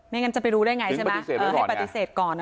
ไม่งั้นจะไปรู้ได้ไงใช่ไหมให้ปฏิเสธก่อนอะไรแบบนี้ถึงปฏิเสธได้ก่อน